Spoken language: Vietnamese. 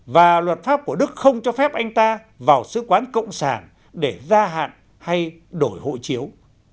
và luật pháp của đức không cho phép anh ta vào sứ quán cộng sản để gia hạn hay đổi hộ chiếu